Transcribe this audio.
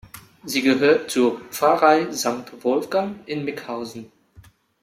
Sie gehört zur Pfarrei Sankt Wolfgang in Mickhausen.